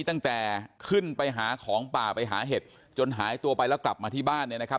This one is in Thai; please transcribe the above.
ตั้งแต่ขึ้นไปหาของป่าไปหาเห็ดจนหายตัวไปแล้วกลับมาที่บ้านเนี่ยนะครับ